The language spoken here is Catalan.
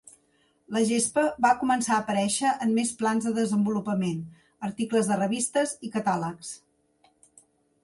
La gespa va començar a aparèixer en més plans de desenvolupament, articles de revistes i catàlegs.